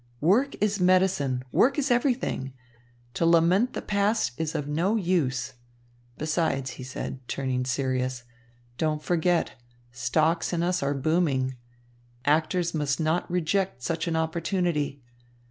Work is medicine, work is everything. To lament the past is of no use. Besides," he said, turning serious, "don't forget, stocks in us are booming. Actors must not reject such an opportunity.